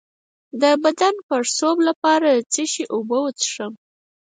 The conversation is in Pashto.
د بدن د پړسوب لپاره د څه شي اوبه وڅښم؟